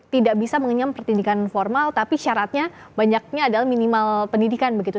tidak bisa mengenyam pendidikan formal tapi syaratnya banyaknya adalah minimal pendidikan begitu